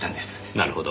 なるほど。